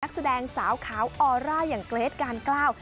นักแสดงสาวขาวออร่าอย่างเกรทการกล้า